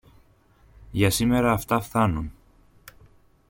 Για σήμερα αυτά φθάνουν.